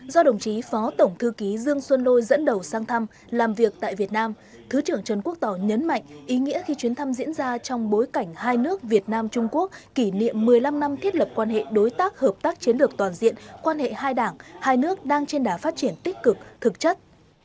do đồng chí phó tổng thư ký dương xuân lôi dẫn đầu sang thăm làm việc tại việt nam thứ trưởng trần quốc tỏ nhấn mạnh ý nghĩa khi chuyến thăm diễn ra trong bối cảnh hai nước việt nam trung quốc kỷ niệm một mươi năm năm thiết lập quan hệ đối tác hợp tác chiến lược toàn diện quan hệ hai đảng hai nước đang trên đá phát triển tích cực thực chất